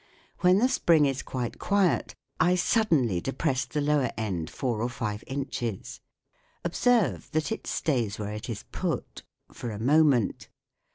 When the spring is quite quiet I suddenly depress the lower end four or five inches : observe that it stays where it is put for a moment.